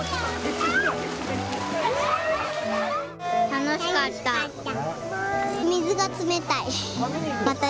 楽しかった。